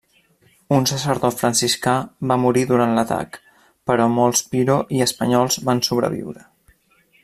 Un sacerdot franciscà va morir durant l'atac, però molts piro i espanyols van sobreviure.